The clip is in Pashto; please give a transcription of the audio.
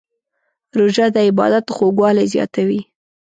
روژه د عبادت خوږوالی زیاتوي.